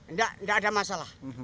nggak nggak ada masalah